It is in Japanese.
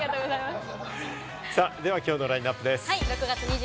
ではきょうのラインナップです。